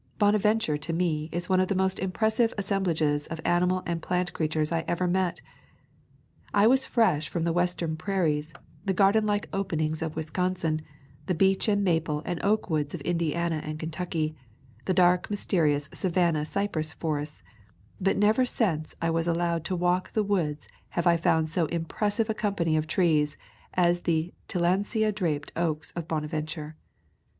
Bonaventure to me is one of the most impres sive assemblages of animal and plant creatures I ever met. I was fresh from the Western prairies, the garden like openings of Wisconsin, the beech and maple and oak woods of Indiana and Kentucky, the dark mysterious Savannah cypress forests; but never since I was allowed to walk the woods have I found so impressive a company of trees as the tillandsia draped oaks of Bonaventure.